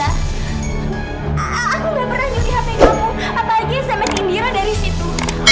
aku tidak pernah nyuri handphone kamu apalagi sms indira dari situ